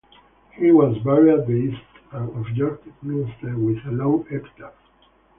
He was buried at the east end of York Minster, with a long epitaph.